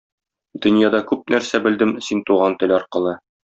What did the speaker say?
Дөньяда күп нәрсә белдем син туган тел аркылы.